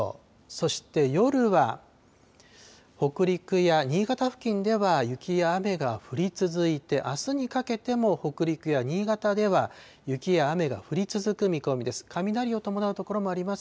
そして夜は、北陸や新潟付近では雪や雨が降り続いて、あすにかけても北陸や新潟では雪や雨が降り続く見込みです。